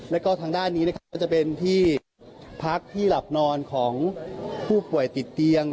แล้วก็ทางด้านนี้นะครับก็จะเป็นที่พักที่หลับนอนของผู้ป่วยติดเตียง